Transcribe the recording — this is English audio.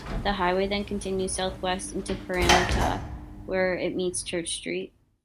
The highway then continues south-west into Parramatta where it meets Church Street.